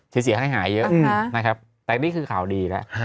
เสียหายเยอะนะครับแต่นี่คือข่าวดีแล้ว